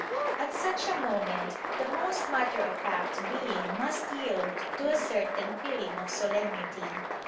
At such a moment the most matter of fact being must yield to a certain feeling of solemnity.